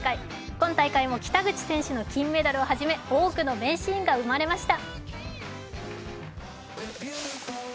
今大会も北口選手の金メダルをはじめ多くの名シーンが生まれました。